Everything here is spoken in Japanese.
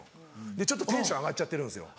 ちょっとテンション上がっちゃってるんですよ。